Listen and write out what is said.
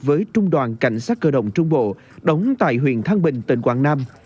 với trung đoàn cảnh sát cơ động trung bộ đóng tại huyện thăng bình tỉnh quảng nam